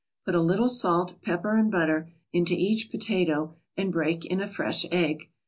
Put a little salt, pepper and butter into each potato and break in a fresh egg.